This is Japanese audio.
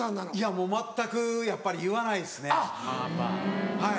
もう全くやっぱり言わないですねはい。